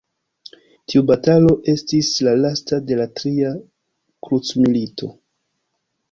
Tiu batalo estis la lasta de la tria krucmilito.